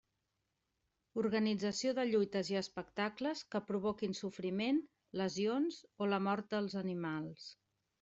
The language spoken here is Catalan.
Organització de lluites i espectacles que provoquin sofriment, lesions o la mort dels animals.